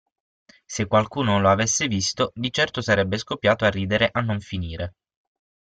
Se qualcuno lo avesse visto, di certo sarebbe scoppiato a ridere a non finire.